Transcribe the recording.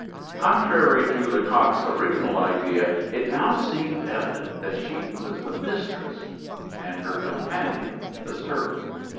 Contrary to Lecoq's original idea, it now seemed evident that she was the mistress, and her companion the servant.